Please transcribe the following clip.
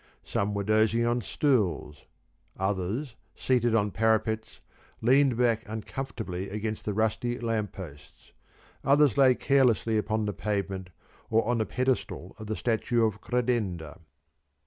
Some were dozing on stools; others, seated on parapets, leant back uncomfortably against the rusty lamp posts; others lay carelessly upon the pavement or on the pedestal of the statue of Kradenda.